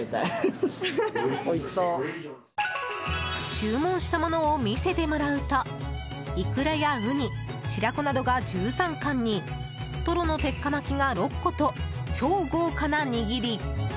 注文したものを見せてもらうとイクラや、ウニ、白子などが１３貫にトロの鉄火巻きが６個と超豪華な握り。